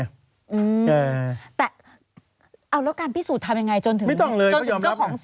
เออแล้วก็การพิสูจน์ทำอย่างไรจนถึงเจ้าของเสียง